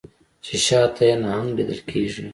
چې شا ته یې نهنګ لیدل کیږي